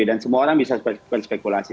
dan semua orang bisa berspekulasi